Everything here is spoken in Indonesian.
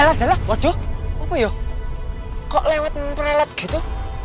elad elad waduh apa yo kok lewat relet gitu